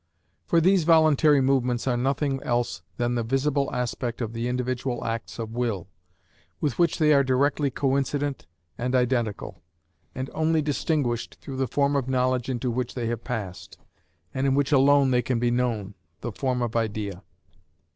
For these voluntary movements are nothing else than the visible aspect of the individual acts of will, with which they are directly coincident and identical, and only distinguished through the form of knowledge into which they have passed, and in which alone they can be known, the form of idea.